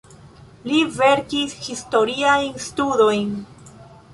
Li verkis historiajn studojn.